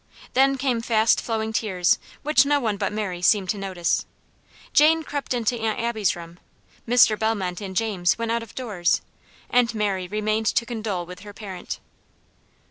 Then came fast flowing tears, which no one but Mary seemed to notice. Jane crept into Aunt Abby's room; Mr. Bellmont and James went out of doors, and Mary remained to condole with her parent.